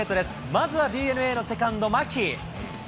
まずはＤｅＮＡのセカンド、牧。